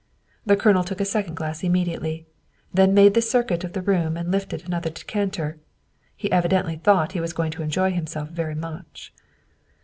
The Colonel took a second glass immediately, then made the circuit of the room and lifted another decanter; he evidently thought he was going to enjoy himself very much.